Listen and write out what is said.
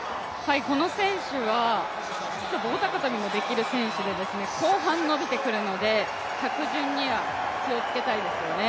この選手は棒高跳もできる選手で後半伸びてくるので、着順には気をつけたいですよね。